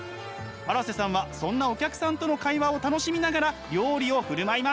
荒瀬さんはそんなお客さんとの会話を楽しみながら料理を振る舞います。